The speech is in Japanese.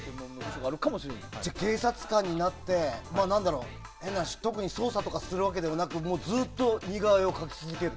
警察官になって、変な話特に捜査とかをするでもなくずっと似顔絵を描き続ける？